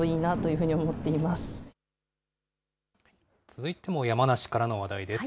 続いても山梨からの話題です。